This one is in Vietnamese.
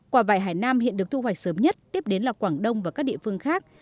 quả vải hải nam hiện được thu hoạch sớm nhất tiếp đến là quảng đông và các địa phương khác